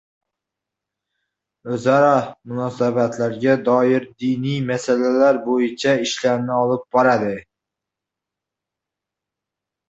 o’zaro munosabatlarga doir diniy masalalar bo’yicha ishlarni olib boradi;